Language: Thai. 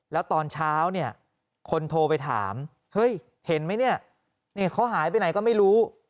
แล้วตอนเช้าเนี่ยคนโทรไปถามเฮ้ยเห็นไหมเนี่ยเขาหายไปไหนก็ไม่รู้